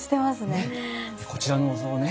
こちらのお像ね